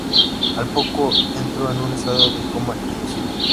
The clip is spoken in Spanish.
Al poco entró en un estado de coma inducido.